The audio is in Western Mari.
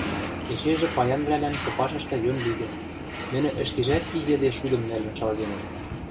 Эчежӹ паянвлӓлӓн попашышты йӧн лиде, нӹнӹ ӹшкежӓт и йӹде шудым нӓлӹн шалгенӹт.